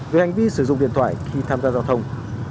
về hành vi sử dụng điện thoại khi tham gia giao thông